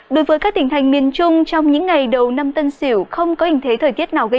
đối với các tỉnh thành miền trung trong những ngày đầu năm tân sỉu không có hình thế thời tiết nào khó khăn